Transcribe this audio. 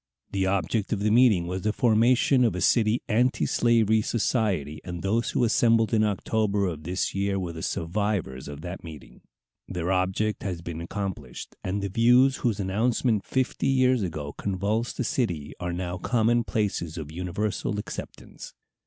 The object of the meeting was the formation of a city antislavery society, and those who assembled in October of this year were the survivors of that meeting. Their object has been accomplished, and the views whose announcement fifty years ago convulsed the city are now common places of universal acceptance.